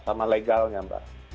sama legal nya mbak